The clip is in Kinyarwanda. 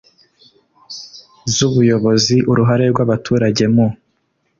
z ubuyobozi uruhare rw abaturage mu